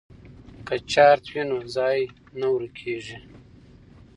که چارت وي نو ځای نه ورکیږي.